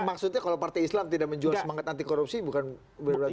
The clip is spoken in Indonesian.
maksudnya kalau partai islam tidak menjual semangat anti korupsi bukan berdua